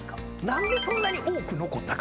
何でそんなに多く残ったか？